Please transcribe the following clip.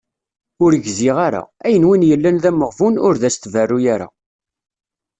Ur gziɣ ara! Ayen win yellan d ameɣbun, ur d as-tberru ara.